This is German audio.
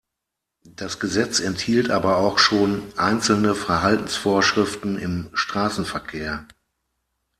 Das Gesetz enthielt aber auch schon einzelne Verhaltensvorschriften im Straßenverkehr.